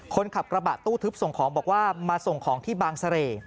คนขับกระบะตู้ทึบส่งของบอกว่ามาส่งของที่บางเสร่